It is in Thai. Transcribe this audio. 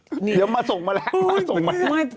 เดี๋ยวมาส่งมาแล้ว